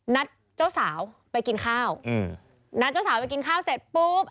นัดเจ้าสาวไปกินข้าวอืมนัดเจ้าสาวไปกินข้าวเสร็จปุ๊บ